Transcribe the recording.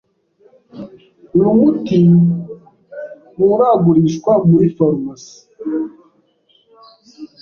Uyu muti nturagurishwa muri farumasi.